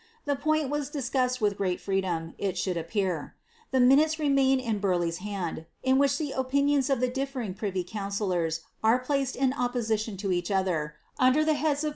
The point was discussed with great freedom, it should appear. The minutes remain in Burleigh's hand, in which the opinions of the differing privy councillors are placed in opposition to each other, under the heads of ' Suype's Life ofA/lmer, ' Camden.